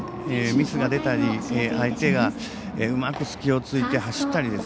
ミスが出たり相手がうまく隙を突いて走ったり。